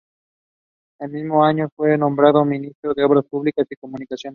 Ese mismo año fue nombrado Ministro de Obras Públicas y Comunicaciones.